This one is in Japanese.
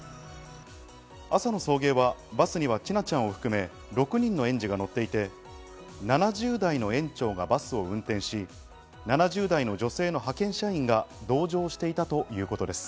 朝の送迎ではバスには千奈ちゃんを含め６人の園児が乗っていて７０代の園長がバスを運転し、７０代の女性の派遣社員が同乗していたということです。